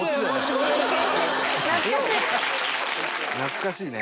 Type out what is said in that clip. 「懐かしいね」